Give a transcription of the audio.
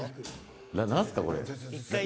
何すかこれ。